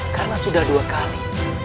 karena sudah dua kali